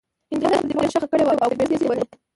هېنداره يې پر دېوال ښخه کړې وه او پرې ډزې کولې.